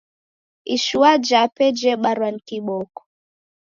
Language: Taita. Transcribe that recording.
Ishua jape jebarwa ni kiboko.